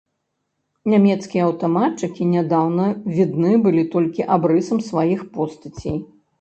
Нямецкія аўтаматчыкі нядаўна відны былі толькі абрысам сваіх постацей.